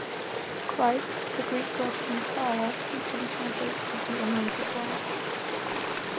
"Christ", the Greek word for messiah, literally translates as "the anointed one".